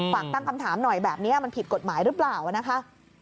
ฝากตั้งคำถามหน่อยแบบนี้มันผิดกฎหมายหรือเปล่านะคะ